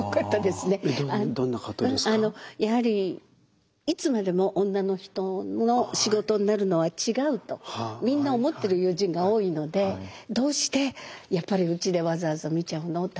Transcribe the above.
やはりいつまでも女の人の仕事になるのは違うとみんな思ってる友人が多いので「どうしてやっぱりうちでわざわざ見ちゃうの？